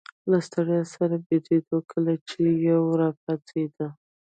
له ستړیا سره بیدېدو، کله چي به یو راپاڅېد.